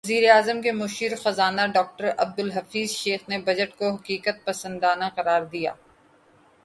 وزیراعظم کے مشیر خزانہ ڈاکٹر عبدالحفیظ شیخ نے بجٹ کو حقیقت پسندانہ قرار دیا